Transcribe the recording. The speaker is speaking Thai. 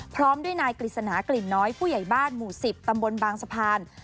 พร้อมด้วยนายกฤษณากลิ่นน้อยผู้ใหญ่บ้านหมู่๑๐ตำบลบางสะพาน